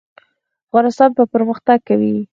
افغانستان به پرمختګ کوي